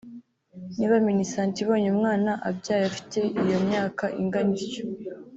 niba Minisante ibonye umwana abyaye afite iyo myaka ingana ityo